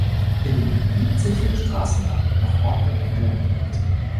In dem Gebiet sind viele Straßennamen nach Orten in England benannt.